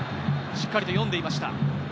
しっかりと呼んでいました。